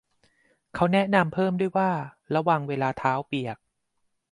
เค้าแนะนำเพิ่มด้วยว่า ระวังเวลาเท้าเปียก